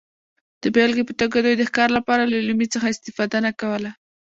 د بېلګې په توګه دوی د ښکار لپاره له لومې څخه استفاده نه کوله